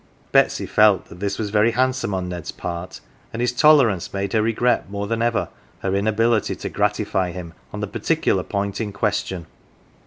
Betsy felt that this was very handsome on Ned's part ; and his tolerance made her regret more than ever her inability to gratify him on the particular point in question.